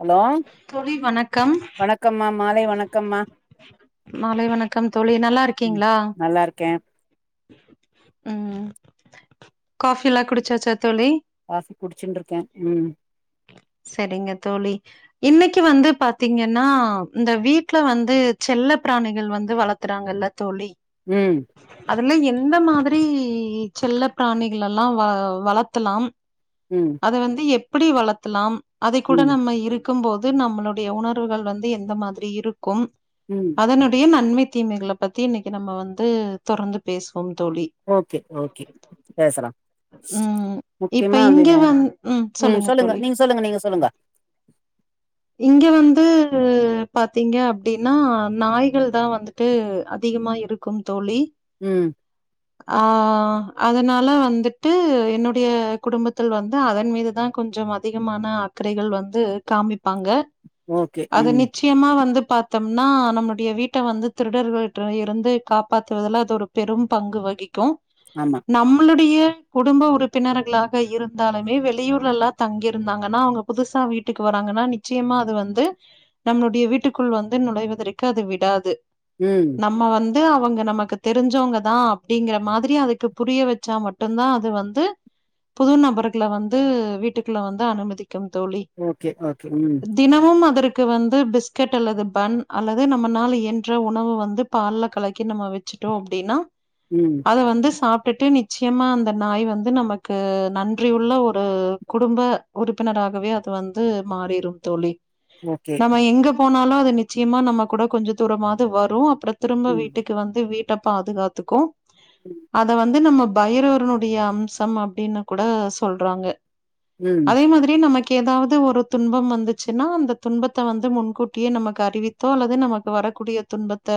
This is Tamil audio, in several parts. ஹலோ தோழி வணக்கம் வணக்கம்மா மாலை வணக்கம்மா மாலை வணக்கம் தோழி நல்லா இருக்கீங்களா நல்லாருக்கே ம் காபில்லா குடிச்சாச்சா தோழி காபி குடிச்சுன்ருக்கே ம் சரிங்க தோழி இன்னைக்கு வந்து பாத்தீங்கன்னா இந்த வீட்ல வந்து செல்ல பிராணிகள் வந்து வளத்துறாங்கல்ல தோழி ம் அதுல எந்த மாதிரி செல்ல பிராணிகள் எல்லா வ வளத்தலா ம் அத வந்து எப்டி வளத்தலாம் அத கூட ம் நம்ம இருக் க்கும் போது நம்மளுடைய உணர்வுகள் வந்து எந்த மாதிரி இருக்கும் ம் அதனு இப்பயு நன்மை தீமைகளை பத்தி இன்னைக்கு நம்ம வந்து தொடர்ந்து பேசுவோம் தோழி ஓகே ஓகே பேசலா ம் இப்ப முக்கியமா அது இங்க வந் ம் சொல்லுங்க தோழி நீங்க சொல்லுங்க நீங்க சொல்லுங்க இங்க வந்து பாத்தீங்க அப்படின்னா நாய்கள் தா வந்து ட்டு அதிகமா இருக்கும் தோழி ம் ஆ அதனால வந்துட்டு என்னுடைய குடும்பத்தில் வந்து அதன் மீதுதா கொஞ்சம் அதிகமான அக்கறைகள் வந்து காமிப்பாங்க ஓகே அத ம் நிச் முக்கியமா வந்து பாத்தோம்னா நம்முடைய வீட்ட வந்து திருடர்கள்ட்ட இருந்து காப்பாத்துவதலா அது ஒரு பெரும் பங்கு வகிக்கு ஆமா நம்மளுடைய குடும்ப உறுப்பினர்களாக இருந்தாலுமே வெளியூர்லல்லா தங்கியிருந்தாங்கன்னா அவங்க புதுசா வீட் வீட்டுக்கு வராங்கன்னா நீ நிச்சயமா அது வந்து நம்ளுடைய வீட்டுக்குள் வந்து நுழைவதற்கு அது விடாது ம் நம்ம வந்து அவுங்க நமக்கு தெரிஞ்சவங்க தா அப்டிங்கற மாதிரி அதுக்கு புரிய வச்சா மட் டும்தா அது வந்து புது நபர்கள வந்து வீட்டுக்குள்ள வந்து அனுமதிக்கும் தோழி ஓகே ஓகே ம் தினமும் அதற்கு வந்து பிஸ்கெட் அல்லது பண் அல்லது நம்மனால இயன்ற உணவு வந்து பால்ல கலக்கி நம்ம வச்சுட்டோ அப்டின்னா ம் அத வந்து சாப்ட்டுட்டு நிச்சயமா அந்த நாய் வந்து நமக்கு நன்றியுள்ள ஒரு குடும்ப உறுப்பினராகவே அது வந்து மாறிறும் தோழி ஓகே நம்ம எங்க போனாலும் அது நிச்சயமா நம்ம கூட கொஞ்ச தூரமாவது வரும் அப்ற திரும்ப ம் வீட்டுக்கு வந்து வீட்டப் பாதுகாத்துக்கு அத வந்து நம்ம பைரர்னுடைய அம்சம் அப்டின்னு கூட சொல்றாங்க ம் அதே மாதிரி நமக் கேதாவது ஒரு துன்பம் வந்து ச்சுன்னா அந்த துன்பத்த வந்து முன்கூட்டியே நமக்கு அறிவித்தோ அல்லது நமக்கு வரக்கூடிய துன்பத்த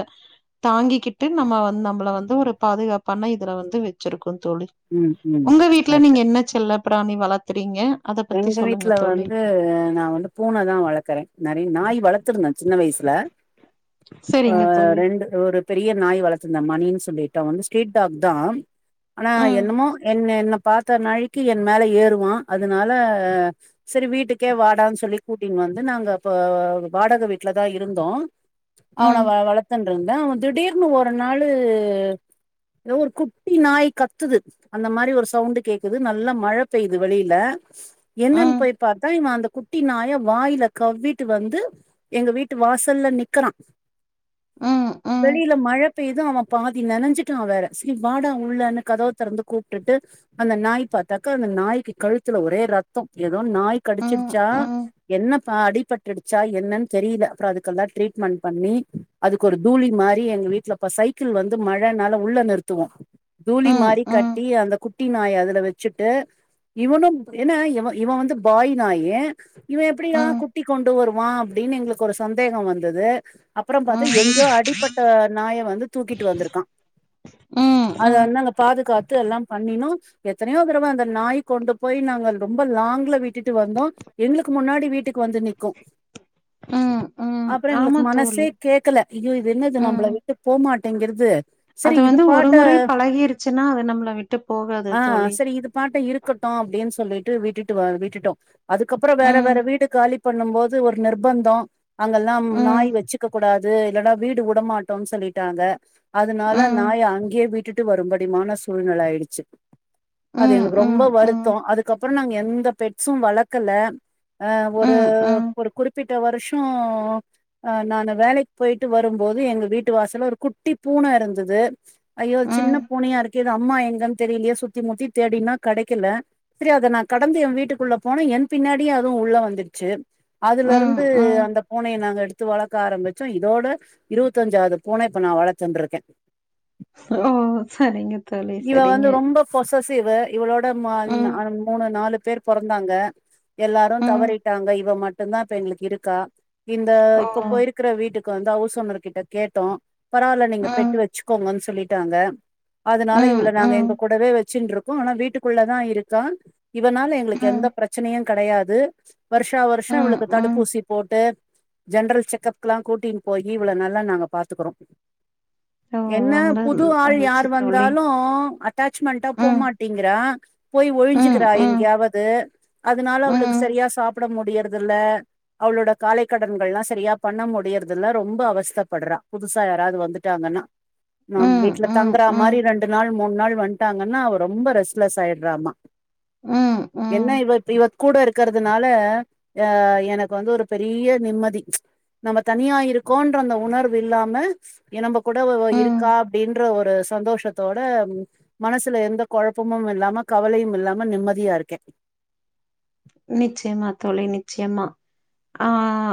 தாங்கிக்கிட்டு நம்ம வந்து நம்மள வந்து ஒரு பாதுகாப்பான இதுல வந்து வச்சிருக்கும் தோழி ம் ம் உங்க வீட்ல கரெக்ட் நீங்க என்ன செல்ல பிராணி வளத்துறீங்க எங்க வீட்ல வந்து நா வந்து பூன தா வளக்குறே நெறைய நாய் வளத்துருந்தே சின்ன வயசுல இப்ப சரிங்க தோழி ரெண் ஒரு பெரிய நாய் வளத்திருந்தே மணின்னு சொல்லிட்டு அவே வந்து ஸ்ட்ரீட் டாக் தா ஆனா ம் என்னமோ என்ன என்ன பாத்த நாழிக்கு என் மேல ஏறுவா அதனால சரி வீட்டுக்கே வாடான்னு சொல்லி கூட்டின்னு வந்து நாங்க அப்ப வாடக வீட்லதா இருந்தோ அவன ம் வ வளத்துன்டு இருந்தே அவே திடீர்னு ஒரு நாளு ஏதோ ஒரு குட்டி நாய் கத்துது அந்த மாரி ஒரு சவுண்டு் கேக்குது நல்லா மழ பெயுது வெளில என்னன்னு ம் போய் பாத் தா இவே அந்த குட்டி நாய வாயில கவ்விட்டு வந்து எங்க வீட்டு வாசல்ல நிக்குறா ம் ம் வெளில மழ இப்ப ஏதோ அவே பாதி நனஞ்சுட்டா வேற செரி வாடா உள்ளன்னு கதவு தெறந்து கூப்ட்டுட்டு அந்த நாய் பாத்தாக்க அந்த நாய்க்கு கழு த்துல ஒரே ரத்தம் ஏதோ நாய் ம் ம் கடிச்சிடுச்சா ம் என்ன ப அடி பட்டுச்சா என்னன்னு தெரில அப்ற அதுக்கெல்லா ட்ரீட்மெண்ட் பண்ணி அதுக்கு ஒரு தூளி மாறி எங்க வீட்ல அப்ப சைக் க்கிள் வந்து மழனால உள்ள நிறுத்துவோ தூளி ம் மாறி ம் கட்டி அந்த குட்டி நாய அதுல வச்சுட்டு இவனும் ஏன்னா இவே இவே வந்து பாய் நாயி இவே எப்படியா ம் குட்டி கொண்டு வருவா அப்டின்னு எங்களுக்கு கொரு சந்தேகம் வந்தது அப்றம் பாத்தா ம் எங்கோ அடிபட்ட நாய வந்து தூக்கிட்டு வந்திருக்கான் ம் அத வந்து நாங்க பாதுகாத்து எல்லா பண்ணினோ எத்தனையோ தடவ அந்த நாய் கொண்டு போய் நாங்க ரொம்ப லாங்ல விட்டுட்டு வந்தோ எங்களுக்கு முன்னாடி வீட்டுக்கு வந்து நிக்கு ம் ம் அப்றோ எங்களுக்கு ஆமா மனசே தோழி கேக்கல ஐயோ இது என்னது நம்பள ம் விட்டு போமாட்டேங்கி ர்து சரி அது இது வந்து ஒரு பாட்ட முறை பழகிருச்சுன்னா அது நம்மள விட்டு போகாது ஆ தோழி சரி இது பாட்ட இருக் கான் அப்டின்னு சொல்லிட்டு விட்டுட்டு வ விட்டுட்டோ அதுக்கப்றோ வேற ம் வேற வீடு காலி பண்ணும் போது ஒரு நிர்பந்தம் அங்கெல்லா ம் நாய் வச்சுக்க கூடா து இல்லன்னா வீடு வுடமாட்டோனு சொல்லிட்டாங்க அதனால ம் நாய அங்கே விட் ட்டுட்டு வரும்படிமான சூழ்நில ஆயிடுச்சு ம் அது ம் எங்களுக்கு ரொம்ப ம் வருத் தோ ம் அதுக்கப்றோ நாங்க எந்த பெட்ஸும் வளக்கல அ ஒரு ம் ஒரு குறுப்பிட்ட வருஷோ அ நானு வேலைக் போய்ட்டு வரும்போது எங்க வீட்டு வாசல்ல ஒரு குட்டி பூன இருந்தது ஐயோ சின்ன ம் பூனயா இருக்கே இது அம்மா எங்கன் தெரிலயே சுத்தி முத்தி தேடினா கெடைக்கல சரி அத நா கடந்து எ வீட்டுக்குள்ள போனே என் பின்னாடியே அதுவு உள்ள வந்துறுச்சு அதுல ம் இருந்து ம் அந்த பூனைய நாங்க எடுத்து து வளக்க ஆரம்பிச்சோ இதோட இருபத்தஞ்சாவது பூன இப்ப நா வளத்துண்ருக்கே ஓ சரிங்க தோழி சரிங்க பொசஸீவ் இவளோட மான்னா ம் மூணு நாலு பேர் பொறந்தாங்க எல்லாரு ம் தவறிட்டாங்க இவ மட்டுந்தா இப்ப எங்களுக்கு இருக்கா இந்த ஓ இப்ப போயிருக்குற வீட்டுக்கு வந்து ஹவுஸ் ஓனர் கிட்ட கேட்டோ பராவால்ல நீங்க ம் பெட்டு வச் வச்சுக்கோங்கன்னு சொல்லிட்டாங்க அதுனால ம் இவள நாங்க ம் எங்க கூடவே வச்சுண்ருக்கோ ஆனா வீட்டுக்குள்ளதா இரு கான் இவனால எங்களுக்கு ம் எந்த பிரச்சனயு கெடையாது வருஷா வருஷோ ம் இவளுக்கு ம் தடுப்பூசி போட்டு ஜென்ரல் செக்கஅப்க்கல்லா கூட்டின்ட்டு போயி இவள நல்லா நாங்க பாத்துகுறோ ஓ என்ன ரொம்ப புது ஆள் மகிழ்ச்சி யார் தோழி வந்தாலு அட்டாச்மண்டா ம் போமாட் டிங்குரா போய் ம் ஒழுஞ்சுக்குறா ம் எங்கயாவது அதுனால ம் அவளுக்கு ம் சரியா சாப்புட முடியறதுல்ல அவளோட காலைக்கடன்கள்லா சரியா பண்ண முடியறதுல்லா ரொம்ப அவஸ்தப்படுறா புதுசா யாராவது வந்துட்டாங்கன்னா நாம் ம் வீட்ல ம் தங்கற மாரி ரெண்டு நாள் மூணு நாள் வட்டாங்கன்னா அவ ரொம்ப ரெஸ்ட்லெஸ் ஆயிரு றாமா ம் ம் என்ன இவ இவ கூட இருக்கறதுனால அ எனக்கு வந்து ஒரு பெரிய நிம்மதி நம்ம தனியா இருக்கோன்ற அந்த உணர்வு இல்லாம எ நம்ப கூட அவ அவ ம் இருக்கா அப்டின்ற ஒரு சந்தோஷத்தோட மனசுல எந்த கொழப்பமும் இல்லாம கவலையும் இல்லாம நிம்மதியா இருக்கே நிச்சியமா தோழி நிச்சியமா ஆ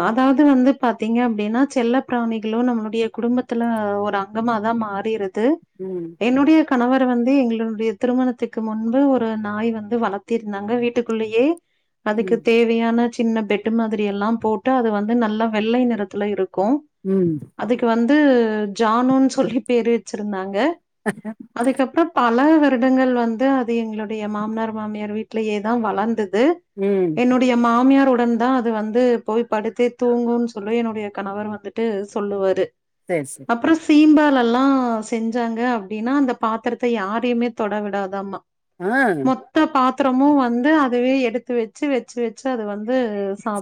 அதாவது வந்து பாத்தீங்க அப்டினா செல்ல பிராணிகளு நம்மளுடைய குடும்ப த்துல ஒரு அங்கமாதா மாறிறுது ம் என்னுடைய கணவர் வந்து எங்களுடைய திருமணத்துக்கு முன்பு ஒரு நாய் வந்து வளர்த்திருந்தாங்க வீட்டுக்குள்ளயே அதுக்கு ம் தேவையான சின்ன பெட்டு் மாதிரி எல்லா போட்டு அது வந்து நல்லா வெள்ளை நிறத்துல இருக்கு ம் அதுக்கு வந்து ஜானுன்னு சொல்லி பேரு வச்சிருந்தாங்க அதுக்கப்பறோ பல வருடங்கள் வந்து அது எங்களுடைய மாமனார் மாமியார் வீட்டலயே தா வளந்தது ம் என்னுடைய மாமியார் உடன் தா அது வந்து போய் படுத்தே தூங்குன்னு சொல்லி என்னுடைய கணவர் வந்துட்டு சொல்லுவாரு சேர் சேர் அப்பறோ சீம்பாலல்லா செஞ்சாங்க அப்டினா அந்த பாத்தரத்த யாரையுமே தொட விடாதாமா அ மொத்த பாத்தரமு வந்து அதுவே எடுத்து வச்சு வச் வச்சு வச்சு அது வந்து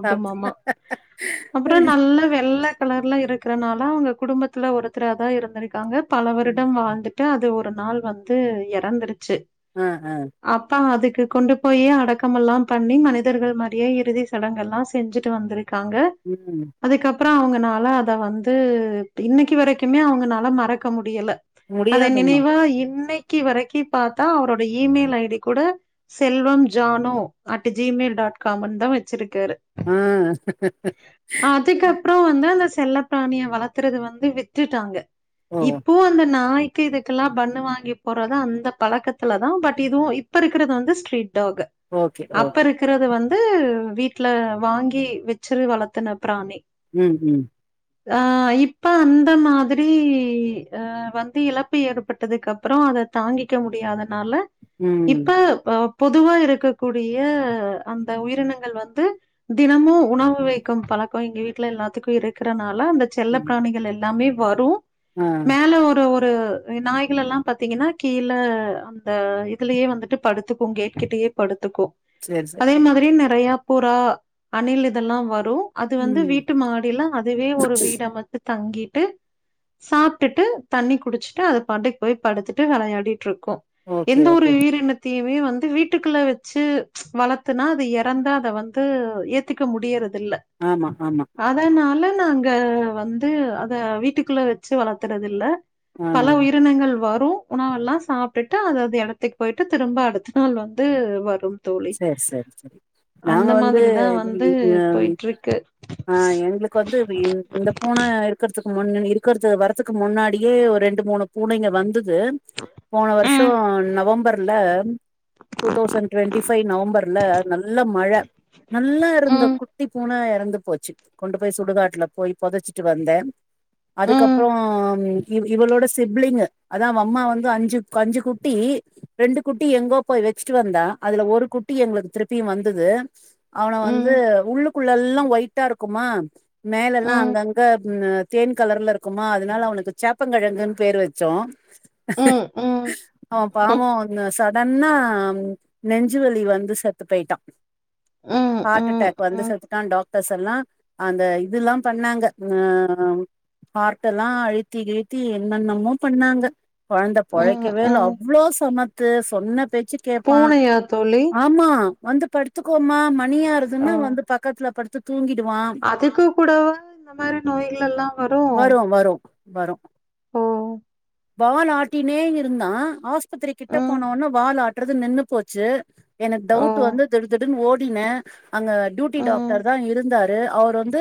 சாப்ட்டு அப்பறோ நல்ல வெள்ள கலர்ல இருக்கறனால அவுங்க குடும்பத்துல ஒருத்தராதா இருந்திருக்காங்க பல ம் வருடம் வாழ்ந்து ட்டு அது ஒரு நாள் வந்து எறந்துருச்சு அ ஹ அப்பா அதுக்கு கொண்டு போயே அடக்கமல்லாம் பண்ணி மனிதர்கள் மரியே இறுதி சடங்கல்லா செஞ்சுட்டு வந்துருக்காங்க ம் அதுக்கப்பறோ அவங்கனால அத வந்து டி இன்னிக்கி வரைக்குமே அவங்கனால மறக்க முடியல அதை முடியாதுமா நினைவா இன்னை க்கி வரைக்கி பாத்தா அவ்ரோட இமேல் ஐடி கூட செல்வம் ஜானோ அட்டு ஜிமெய்ல் டாட் காமன் தா வச்சிருக்காரு ஆ அதிக்கப்றோ வந்து அந்த செல்ல ப்ராணிய வளத்துறது வந்து வித்துட்டாங்க ஓ இப்போ அந்த நாய் கிதுக்கல்லா பண்ணு வாங்கி போறது அந்த பழக்கத்துலதா பட் இதுவும் இப்ப இருக்கிறது வந்து ஸ்ட்ரீட் டாக ஓகே அப்ப ஓகே இருக்றது வந்து வீட்ல வாங்கி வெச்சுரு வளத்தன ப்ராணி ம் ம் ஆ இப்ப அந்த மாதிரி அ வந்து இழப்பு ஏற்பட்டதுக்கப்றோ அதத் தாங்கிக்க முடியாதனால இப்ப ம் ஆப் பொதுவா இருக்கக்கூட் பிய அந்த உயிரினங்கள் வந்து தினமு உணவு வைக்கும் பழக்கோ எங்க வீட்ல எல்லாத்துக்கு இருக்றனால அந்தக் செல்ல ம் ப்ராணிகள் எல்லாமே வரு ஆ மேல ஒரு ஒ பு நாய்கள் எல்லா பாத்தீங்கன்னா கீழ அந்த இதுலயே வந்துட்டு படுத்துக்கு கேட்கிட்டயே படு த்துக்கு சேரி சேரி அதே மாதிரி நெறையா புறா அணில் இதெல்லா வரு அது வந்து ம் வீட்டு மாடில அதுவே ஒரு வீடாமத்து தங்கிட்டு சாப்ட்டுட்டு தண்ணி குடிச்ட்டு அத பாட்டுக் போய் படுத்துட்டு வெளையாடிட்ருக்கு ஓகே எந்த ஒரு ஓகே வீரினத்தையுமே வந்து வீட்டுக்குள்ள வெத் ச்சு வளத்துனா அது யறந்தா அத வந்து ஏத்துக்க முடியறதில்ல ஆமா ஆமா அதனால நாங்க வந்து அத வீட்டுக்குள்ள வெச்சு வளத்துறதில்ல ஆ பல உயிரினங்கள் வரு உணவெல்லா சாப்ட்டுட்டு அது அது எடத்துக் போய்ட்டு திரும்ப அடுத்த நாள் வந்து வர் செர் செர் சரி நாங்க அந்த வந்து மாதிரி தான் இன்னுகு வந்து இத்துகயி போயிட்டுருக்கு. அ எங்ளுக்கு வந்து விடு இந்தப் பூன இர்க்குற்த்துக் முன்னன் இருக்கற்து வரத்துக்கு முன்னாடியே ஒர் ரெண்டு மூணு பூனைங்க வந்துட் தும் போன வர்ஷோ ம், நவம்பர்ல two thousand twenty five நவம்பர்ல நல்ல மழ நல்லா இருந்த ம், கு ட்டி பூன யறந்து போச்சு கொண்டு போய் சுடுகாட்ல போய் புதச்சிட்டு வந்தே ம், அதுக்கப்போம் இவி இவ் இவளோட சிப்ளிங்க அதா அவம்மா வந்து அஞ்சுக் அஞ்சு குட்டி ரெண்டு குட்டி எங்கோ போய் வெச்ட்டு வந்தா அதுல ஒரு குட்டி எங்ளுக்கு த்ருப்பி வந்தது அவன வந்து ம், உள்ளு குள்ளல்லா வய்ட்டாருக்குமா மேலல்லா ம், அங்கங்க அப்பும தேன் கலர்ல இருக்குமா அதனால அவனுக்கு சேப்ப கிழங்குன் பேர் வெச்சோ ம், ம், ம், ஆவ் ம், பாவோ னு சடன்னா ம் நெஞ்சுவலி வந்து செத்து போய்ட்டா ம், ஹாட் ம், அட்டாக் வந்து செத்துட்டா டாக் பெசல்லா அந்த இதுல்லா பண்ணாங்க அ அம் ஹார்ட் எல்லா அழுத்தி கிழ்த்தி என்னென்னமோ பண்ணாங்க கொழந்த ம், பொழைக்கவே இல்ல ம். அவ்ளோ சமத்து சொன்ன பேச்சு கேப்பா பூனையா தோழி ஆமா வந்து படுத்துக்கோமா ஓ! மணியாரதுன்னா வந்து பக்கத்துல படுத்து தூங்கிடுவா அதுக்கு கூடவா இந்த மாரி நோய்களெல்லா வரு வரு வரு ஓ வாலாட்டினே இருந்தா ஆஸ்பத்திரி கிட்ட ம். போனோன வால் ஆட்றது நின்னு போச்சு எனக்கு டவுட் ஓ! வந்து திடு திடுன்னு ஓடினே அங்க டியூட்டி ம். டாக்டர் தா இருந்தார் ரு அவுர் வந்து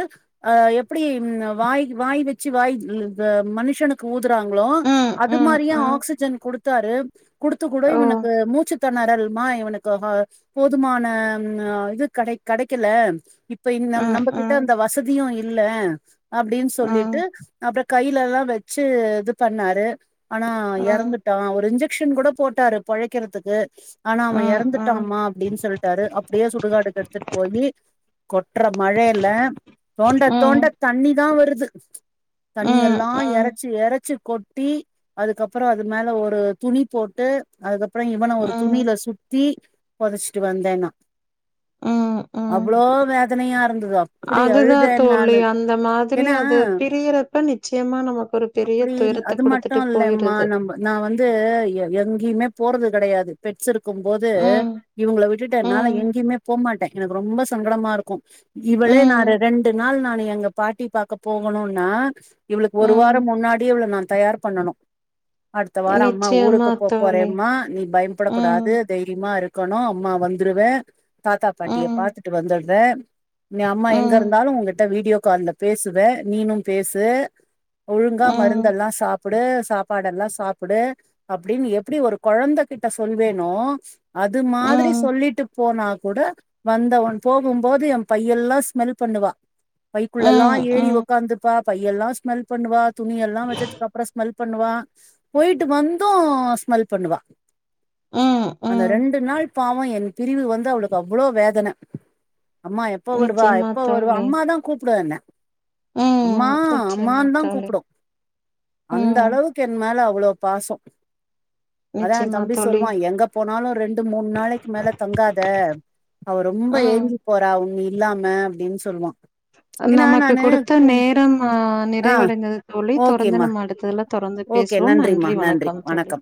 அ எப்டி ம் வாய் வாய் வெச்சு வாய் த மனுஷனுக்கு கு ஊதுறாங்ளோ ம், அப் அது ம், மாரியே ம். ஆக்சிஜன் குடுத்தாரு குடுத்து கூட ஓ! இவனுக்கு மூச்சு தெணறல் மா மா இவனுக்கு ஹா போதுமான இது கடை கடைக்கல இப் இப்ப இன் நம் ம், நம்பகிட்ட ம், அந்த வசதியு இல்ல அப்டின் சொல்லிட்டு ம், அப்ற கையிலல்லாம் வச்சு இது பண்ணாரு ஆனா ம், ம், எறந்துட்டான் ஒரு இஞ்சக் க்ஷன் கூட போட்டாரு பொழைக்கிறதுக்கு ஆனா அவ ம், எறந்துட்டாமா அப்டின் சொல்ட்டாரு அப்டியே சுடுகாடுக்கு எடுத்துட் போயி கொட்ற மழையில தோண்ட ம். தோண்ட தண்ணி தா வருது தண்ணி ம், எல்லா ம், எரச்சி எரச்சி கொட்டி அதுக்கப்பறோ அது மேல ஒரு துணி போட்டு அதுக்கப்பறொ இவன ஒரு ம், துணில சுத்தி பொதச்சிட்டு வந்தே நா ம், ம். அவ்ளோ வேதனையா இருந்துது அப்டி அதுதான் அழுதேன் தோழி. நானு ஏன்னா இப்ப நிச்சயமா நமக்கு ஒரு பெரிய அப்டி துயரத்த அது மட்டு கொடுத்துட்டு இல்லம்மா நம் நா வந்து எங்கயுமே போறது கெடையாது பெட்ஸ் இருக்கும் போது ம், இவுங்கள விட்டுட்டு என்னால ம், எங்கயுமே போ மாட்ட எனக்கு ரொம்ப சங்கடமாருக்கும் இவளே நா ரெ ம், ரெண்டு நாள் நானு எங்க பாட்டி பாக்க போகணுன்னா இவுளுக்கு ஒரு ம். வாரம் முன்னாடியே இவள நா தயார் பண்ணனு அடுத்த வாரொ அம்மா நிச்சயமா ஊருக்கு போ தோழி. போறேம்மா நீ பயபடக் ம், கூடாது தெய்ரிமா இருக்கணு அம்மா வந்துருவே தாத்தா பாட்டிய ம், பாத்துட்டு வந்துறே நீ அம்மா எங்க ம், இருந்தாலு உங்கிட்ட வீடியோ கால்ல பேசுவே நீனும் பேசு ஒழுங்கா ம், மருந்தெல்லா சாப் கா சாப்பாடெல்லா சாப்பிடு அப்டின் எப்புடி ஒரு கொழந்த கிட்ட சொல்வேனோ அது ம், மாதிரி ம், சொல்லிட்டு போனா கூட வந்த ஒன் போகும்போது என் பையெல்லா ஸ்மெல் பண்ணுவா பைக்குள்ளல்லா ம், ஏறி ஒக்காந்துப்பா பையெல்லா ஸ்மெல் பண்ணுவா துணி எல்லாம் வச்ச கப்புறொ ஸ்மல் பண்ணுவா போயிட்டு வந்து ஸ்மல் பண்ணுவா ம், அந்த ம். ரெண்டு நாள் பாவொ என் பிரிவு வந்து அவளுக்கு அவ்ளோ வேதன அம்மா எப்ப வருவா நிச்சயமா எப்ப வருவா தோழி. அம்மாதா கூப்புடு என்ன அம்மா ம். நிச்சயமா அம்மான்தா தோழி. கூப்புடு அந்த ம். அளவுக்கு என் மேல அவ்ளோ பாசோ அதா என் நிச்சயமா தம்பி தோழி. சொல்வான் எங்க போனாலு ரெண்டு மூண் நாளைக்கு மேல தங்காத அவ ரொம்ப ம். ஏங்கி போறா உண் நீ இல்லாம அப்டின் சொல்வான் அ நமக்கு கொடுத்த நேரம் ஆ ஆ நிறைவடைந்தது தோழி தொடர்ந்து ஓகேம்மா நம்ம அடுத்ததுல தொடர்ந்து பேசுவோம் நன்றி வணக்கம் தோழி